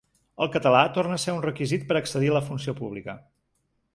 El català torna a ser un requisit per accedir a la funció pública.